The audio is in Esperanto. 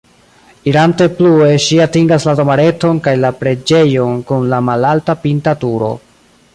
Irante plue ŝi atingas la domareton kaj la preĝejon kun la malalta pinta turo.